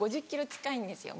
５０ｋｇ近いんですよ